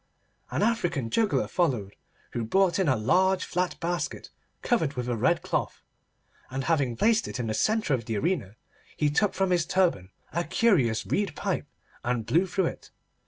An African juggler followed, who brought in a large flat basket covered with a red cloth, and having placed it in the centre of the arena, he took from his turban a curious reed pipe, and blew through it.